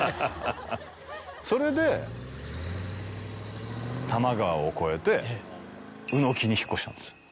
それで多摩川を越えて鵜の木に引っ越したんですよ。